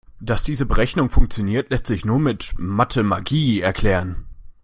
Dass diese Berechnung funktioniert, lässt sich nur mit Mathemagie erklären.